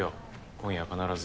今夜必ず。